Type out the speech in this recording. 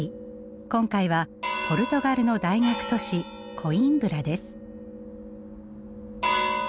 今回はポルトガルの大学都市コインブラです。